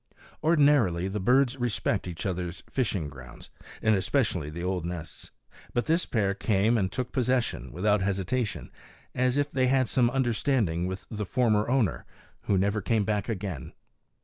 Ordinarily the birds respect each other's fishing grounds, and especially the old nests; but this pair came and took possession without hesitation, as if they had some understanding with the former owner, who never came back again.